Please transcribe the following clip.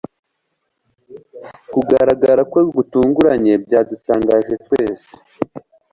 kugaragara kwe gutunguranye byadutangaje twese